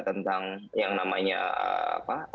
tentang yang namanya apa